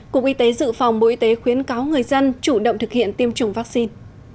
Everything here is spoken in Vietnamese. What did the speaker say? cục y tế dự phòng bộ y tế khuyến cáo người dân chủ động thực hiện tiêm chủng vaccine